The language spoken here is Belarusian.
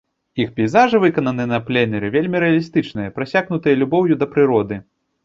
Іх пейзажы, выкананыя на пленэры, вельмі рэалістычныя, прасякнутыя любоўю да прыроды.